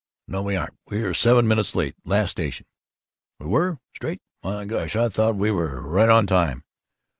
"No, we aren't we were seven minutes late, last station." "Were we? Straight? Why, gosh, I thought we were right on time."